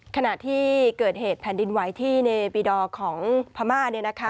ขณะที่เกิดเหตุแผ่นดินไหวที่เนปิดอร์ของพม่าเนี่ยนะคะ